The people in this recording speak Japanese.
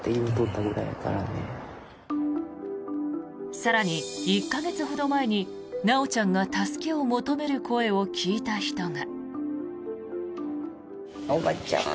更に、１か月ほど前に修ちゃんが助けを求める声を聞いた人が。